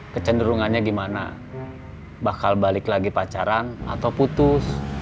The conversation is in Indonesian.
kecenderungannya gimana bakal balik lagi pacaran atau putus